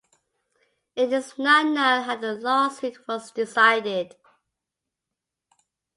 It is not known how the lawsuit was decided.